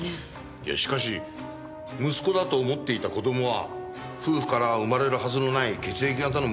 いやしかし息子だと思っていた子供は夫婦から生まれるはずのない血液型の持ち主だった。